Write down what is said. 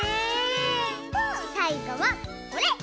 さいごはこれ！